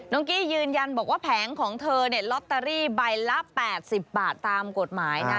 กี้ยืนยันบอกว่าแผงของเธอเนี่ยลอตเตอรี่ใบละ๘๐บาทตามกฎหมายนะ